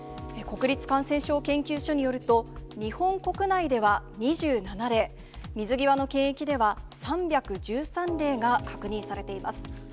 国立感染症研究所によると、日本国内では２７例、水際の検疫では３１３例が確認されています。